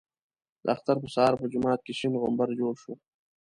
د اختر په سهار په جومات کې شین غومبر جوړ شو.